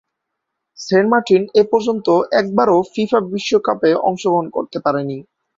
Saint Martin এপর্যন্ত একবারও FIFA বিশ্বকাপে অংশগ্রহণ করতে পারেনি।